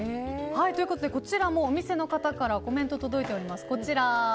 こちらもお店の方からコメント届いております。